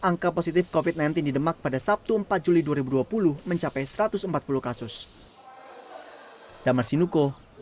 angka positif covid sembilan belas di demak pada sabtu empat juli dua ribu dua puluh mencapai satu ratus empat puluh kasus